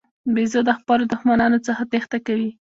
بیزو د خپلو دښمنانو څخه تېښته کوي.